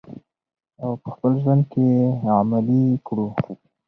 او په خپل ژوند کې یې عملي کړو.